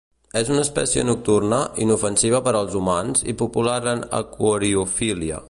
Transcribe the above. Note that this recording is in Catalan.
És una espècie nocturna, inofensiva per als humans i popular en aquariofília.